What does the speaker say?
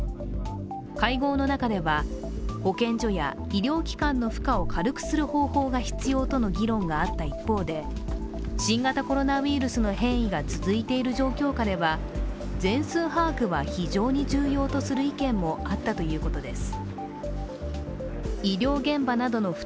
会合の中では、保健所や医療機関の負荷を軽くする方法が必要との議論があった一方で、新型コロナウイルスの変異が続いている状況下では全数把握は非常に重要とする意見もあったということです。